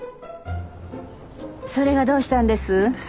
それがどうしたんです？